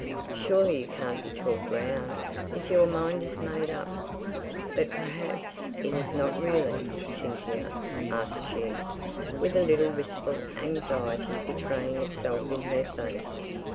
"Surely you can't be 'talked round' if your mind is made up. But perhaps it is not really, Cynthia?" asked she, with a little wistful anxiety betraying itself in her face.